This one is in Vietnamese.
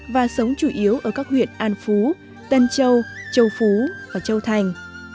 và sống chủ yếu ở các huyện an phú tân châu châu phú và châu thành